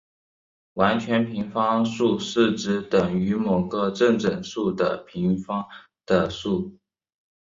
完全平方数是指等于某个正整数的平方的数。